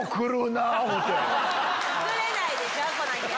作れないでしょ来なきゃ。